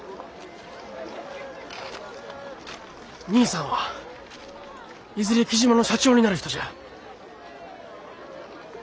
兄さんはいずれ雉真の社長になる人じゃあ。